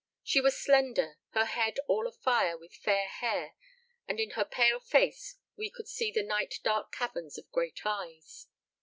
She was slender, her head all afire with fair hair, and in her pale face we could see the night dark caverns of great eyes.